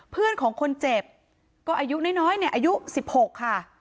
เพื่อนของคนเจ็บก็อายุน้อยเนี่ยอายุ๑๖ค่ะ